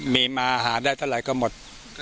มีมาหาได้เท่าไหร่ก็หมด